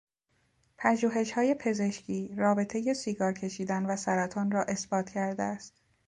پژوهشهای پزشکی رابطهی سیگار کشیدن و سرطان را اثبات کرده است.